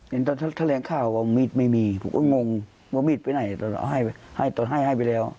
เห็นตอนแถลงข่าวว่ามีดไม่มีผมก็งงว่ามีดไปไหนตอนให้ไปแล้ว